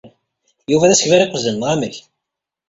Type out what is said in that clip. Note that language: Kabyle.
Yuba d asegbar iqefzen, neɣ amek?